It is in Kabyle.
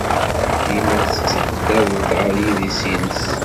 Dima tettabdaded ɣer yidis-nnes!